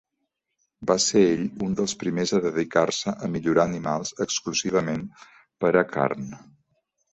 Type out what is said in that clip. Va ser ell un dels primers a dedicar-se a millorar animals exclusivament per a carn.